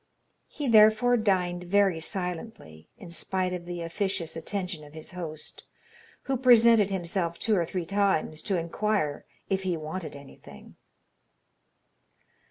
He therefore dined very silently, in spite of the officious attention of his host, who presented himself two or three times to inquire if he wanted anything.